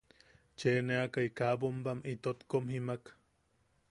Cheʼeneakai kaa bombam itot kom jimaak.